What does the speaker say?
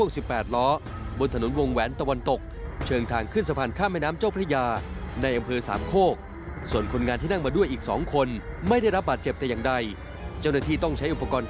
ส่วนที่จ